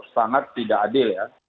sangat tidak adil ya